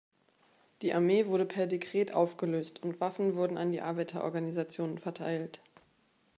Die Armee wurde per Dekret aufgelöst, und Waffen wurden an die Arbeiterorganisationen verteilt.